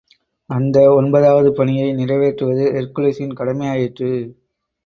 அந்த ஒன்பதாவது பணியை நிறைவேற்றுவது ஹெர்க்குலிஸின் கடமையாயிற்று.